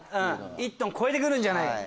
１トン超えて来るんじゃないかと。